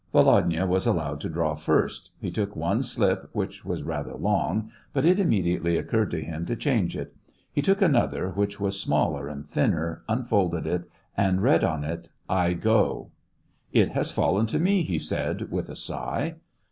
Volodya was allowed to draw first ; he took one slip, which was rather long, but it immediately occurred to him to change it ; he took another, which was smaller and thinner, unfolded it, and read on it, I go." " It has fallen to me," he said, with a sigh.